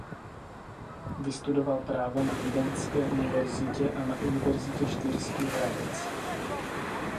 Vystudoval práva na Vídeňské univerzitě a na Univerzitě Štýrský Hradec.